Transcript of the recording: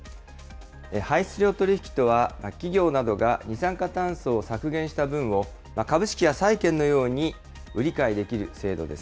排出量取引とは、企業などが二酸化炭素を削減した分を、株式や債券のように売り買いできる制度です。